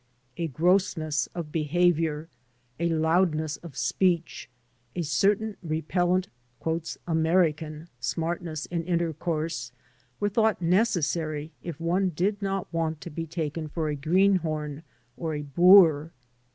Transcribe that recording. A grossness of behavior, a loudness of speech, a certain repejlent "American" smartness in intercourse, were thought necessary, if one did not wai; it to be taken for a greenhorm or a boor.